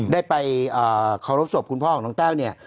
ได้ไปเคารพศพคุณพ่อของน้องแต้วเนี่ย